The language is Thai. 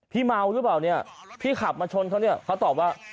พี่เมาหรือเปล่าเนี่ยพี่ขับมาชนเขาเนี่ยเขาตอบว่า